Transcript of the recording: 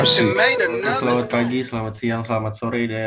selamat pagi selamat siang selamat sore